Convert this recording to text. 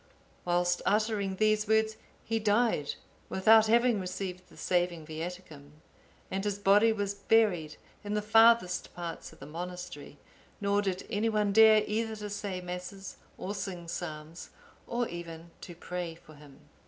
Whilst uttering these words, he died without having received the saving Viaticum, and his body was buried in the farthest parts of the monastery, nor did any one dare either to say Masses or sing psalms, or even to pray for him.